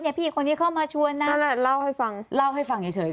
เอ่ยเนี่ยพี่คนนี้เข้ามาชวนนะเล่าให้ฟังเล่าให้ฟังเฉยเฉยค่ะ